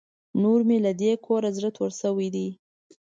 نور مې له دې کوره زړه تور شوی دی.